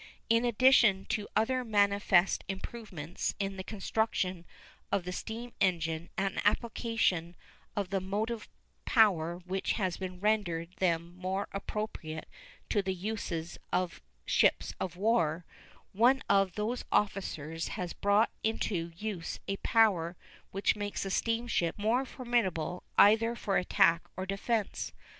In addition to other manifest improvements in the construction of the steam engine and application of the motive power which has rendered them more appropriate to the uses of ships of war, one of those officers has brought into use a power which makes the steamship most formidable either for attack or defense.